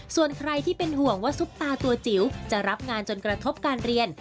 ส่วนใครที่เป็นห่วงว่าซุปตาตัวจิ๋วจะรับงานจนกระทบการเรียน